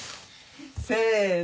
せの。